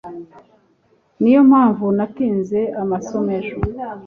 Niyo mpamvu natinze amasomo ejo